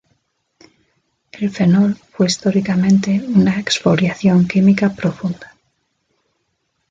El fenol fue históricamente una exfoliación química profunda.